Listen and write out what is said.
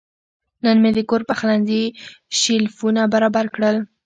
نن مې د کور پخلنځي شیلفونه برابر کړل.